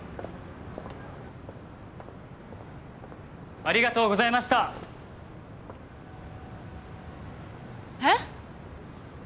ありがとうございました！えっ？